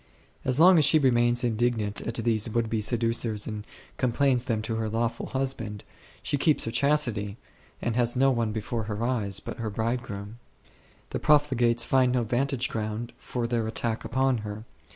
As long as she remains indignant at these would be seducers and complains of them to her law ful husband, she keeps her chastity and has no one before her eyes but her bridegroom ; the profligates find no vantage ground for their attack upon her.